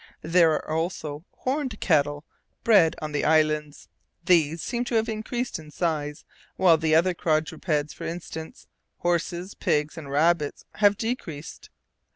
There are also horned cattle bred on the islands; these seem to have increased in size, while the other quadrupeds, for instance, horses, pigs, and rabbits, have decreased.